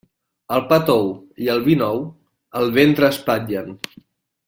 El pa tou i el vi nou el ventre espatllen.